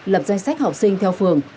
lập danh sách học sinh theo phường